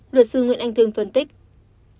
luật sư nguyễn anh thương phân tích